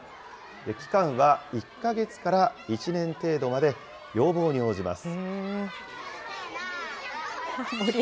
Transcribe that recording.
期間は１か月から１年程度まで、要望に応じます。